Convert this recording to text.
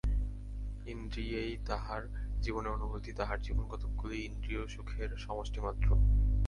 ইন্দ্রিয়েই তাহার জীবনের অনুভূতি, তাহার জীবন কতকগুলি ইন্দ্রিয়সুখের সমষ্টিমাত্র।